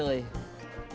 kamu lagi kesel ya coy